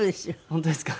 本当ですか？